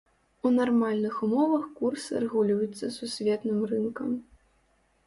У нармальных умовах курс рэгулюецца сусветным рынкам.